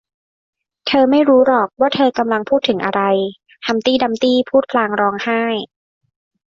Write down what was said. เธอไม่รู้หรอกว่าเธอกำลังพูดถึงอะไร ฮัมพ์ตี้ดัมพ์ตี้พูดพลางร้องไห้